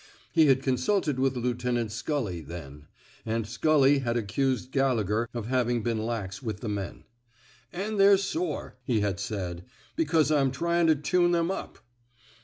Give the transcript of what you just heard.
He had consulted with Lieutenant Scully, then; and Scully had accused Gallegher of having been lax with the men. An' they're sore,'' he had said, because I'm tryin' to tune them up."